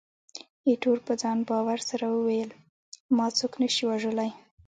ایټور په ځان باور سره وویل، ما څوک نه شي وژلای.